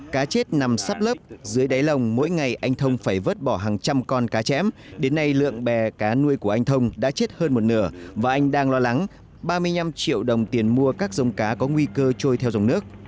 cá chết nằm sát lớp dưới đáy lồng mỗi ngày anh thông phải vớt bỏ hàng trăm con cá chém đến nay lượng bè cá nuôi của anh thông đã chết hơn một nửa và anh đang lo lắng ba mươi năm triệu đồng tiền mua các giống cá có nguy cơ trôi theo dòng nước